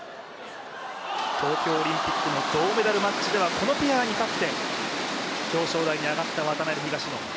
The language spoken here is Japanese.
東京オリンピックの銅メダルマッチではこのペアに勝って表彰台に上った渡辺・東野。